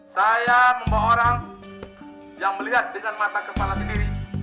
saya membawa orang yang melihat dengan mata kepala sendiri